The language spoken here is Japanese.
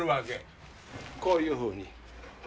こういうふうに。